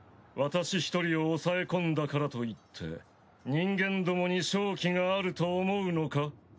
私１人を抑え込んだからといって人間どもに勝機があると思うのか？